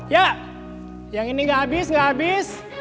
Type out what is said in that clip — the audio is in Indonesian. ya yang ini gak habis gak habis